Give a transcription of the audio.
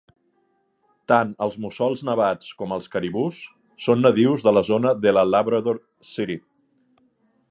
Tant els mussols nevats com els caribús són nadius de la zona de la Labrador City.